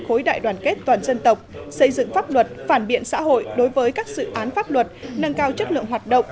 khối đại đoàn kết toàn dân tộc xây dựng pháp luật phản biện xã hội đối với các dự án pháp luật nâng cao chất lượng hoạt động